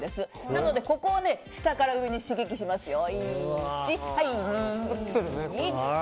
なのでここを下から上に刺激しますよ。